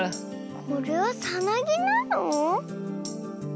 これはさなぎなの？